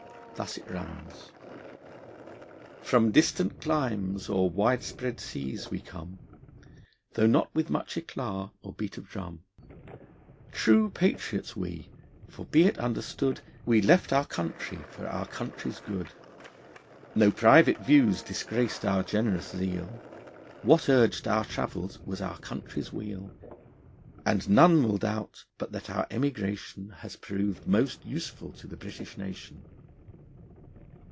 Thus it runs: From distant climes, o'er widespread seas, we come, Though not with much eclat or beat of drum; True patriots we, for be it understood, We left our country for our country's good. No private views disgraced our generous zeal, What urged our travels was our country's weal; And none will doubt, but that our emigration Has proved most useful to the British nation.